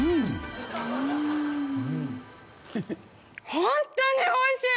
本当においしい！